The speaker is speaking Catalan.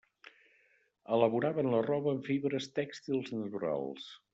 Elaboraven la roba amb fibres tèxtils naturals.